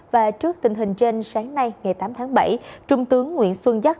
và trước tình hình trên sáng nay ngày tám tháng bảy trung tướng nguyễn xuân giáp